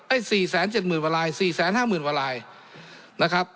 เอ้ยสี่แสนเจ็ดหมื่นวะลายสี่แสนห้าหมื่นวะลายนะครับ